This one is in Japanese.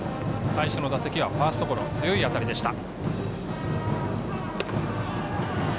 最初の打席はファーストゴロ強い当たりでした。